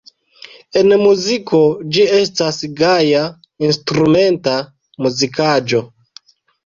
En muziko ĝi estas gaja instrumenta muzikaĵo.